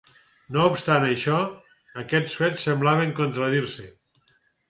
No obstant això, aquests fets semblaven contradir-se.